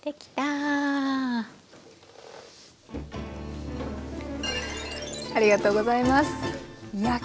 ありがとうございます。